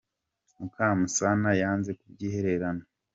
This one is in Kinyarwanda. Mukamusana yanze kubyihererana